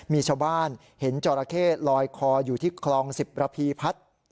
มีชาวบ้านเห็นจราเข้ลอยคออยู่ที่คลอง๑๐ระพีพัฒน์